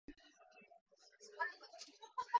ありがとう。ごめんな